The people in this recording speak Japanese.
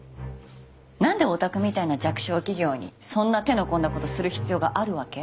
何でおたくみたいな弱小企業にそんな手の込んだことする必要があるわけ？